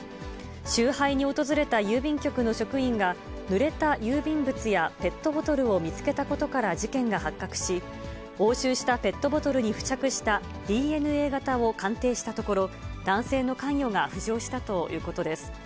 集配に訪れた郵便局の職員が、ぬれた郵便物やペットボトルを見つけたことから事件が発覚し、押収したペットボトルに付着したＤＮＡ型を鑑定したところ、男性の関与が浮上したということです。